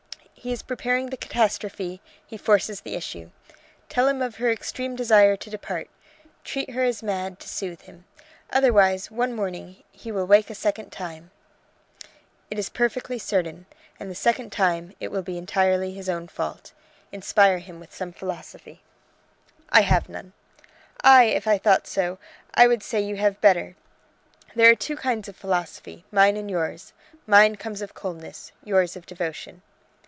He is preparing the catastrophe, he forces the issue. Tell him of her extreme desire to depart. Treat her as mad, to soothe him. Otherwise one morning he will wake a second time ...! It is perfectly certain. And the second time it will be entirely his own fault. Inspire him with some philosophy." "I have none." "I if I thought so, I would say you have better. There are two kinds of philosophy, mine and yours. Mine comes of coldness, yours of devotion."